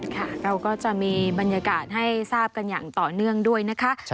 ค่ะเราก็จะมีบรรยากาศให้ทราบกันอย่างต่อเนื่องด้วยนะคะ